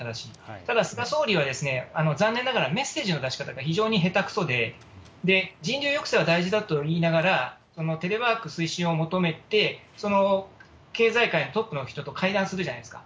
ただ、菅総理は残念ながらメッセージの出し方が非常に下手くそで、人流抑制は大事だと言いながら、テレワーク推進を求めて、その経済界のトップの人と会談するじゃないですか。